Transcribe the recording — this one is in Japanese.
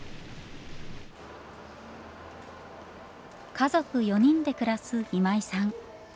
家族４人で暮らす今井さん。